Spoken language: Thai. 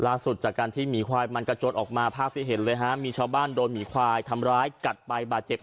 จากการที่หมีควายมันกระโจนออกมาภาพที่เห็นเลยฮะมีชาวบ้านโดนหมีควายทำร้ายกัดไปบาดเจ็บ